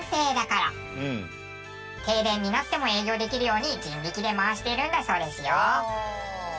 停電になっても営業できるように人力で回しているんだそうですよ。